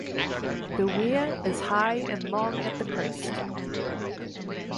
The weir is high and long at the crest.